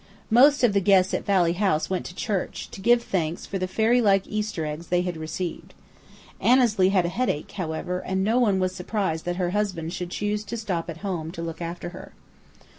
Most of the guests at Valley House went to church, to give thanks for the fairy like Easter eggs they had received. Annesley had a headache, however, and no one was surprised that her husband should choose to stop at home to look after her.